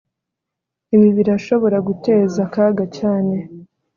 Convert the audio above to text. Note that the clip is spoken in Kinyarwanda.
Ibi birashobora guteza akaga cyane